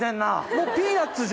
もうピーナツじゃん！